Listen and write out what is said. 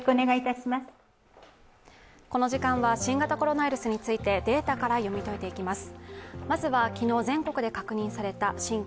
この時間は新型コロナウイルスについてデータから読み解いていきます。